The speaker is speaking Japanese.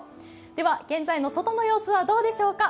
では、現在の外の様子はどうでしょうか。